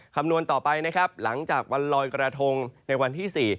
คำนวณต่อไปนะครับหลังจากวันลอยกระทงในวันที่๔